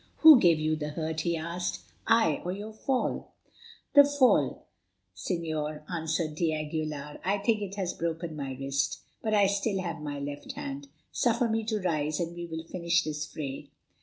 "Who gave you the hurt?" he asked, "I or your fall?" "The fall, Señor," answered d'Aguilar; "I think that it has broken my wrist. But I have still my left hand. Suffer me to arise, and we will finish this fray."